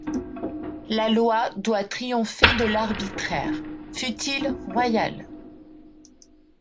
La loi doit triompher de l'arbitraire, fût-il royal !